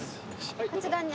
あちらに？